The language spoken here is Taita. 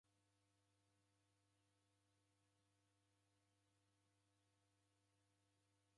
W'andu w'iw'agha maghuwa w'ajagha w'asi ghwaenga nandighi.